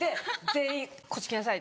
「全員こっち来なさい」。